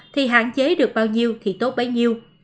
thì hạn chế được bao nhiêu thì tốt bấy nhiêu